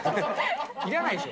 いらないでしょ。